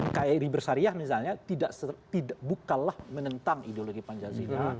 nkri bersyariah misalnya bukalah menentang ideologi pancasila